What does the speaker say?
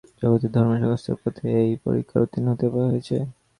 জগতের ধর্ম-সংস্থাপকমাত্রকেই এই পরীক্ষায় উত্তীর্ণ হতে হয়েছে।